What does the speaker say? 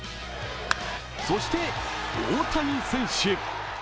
そして、大谷選手。